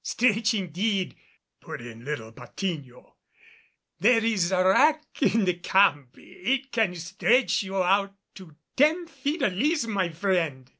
"Stretch indeed!" put in little Patiño. "There is a rack in the camp; it can stretch you out to ten feet at least, my friend."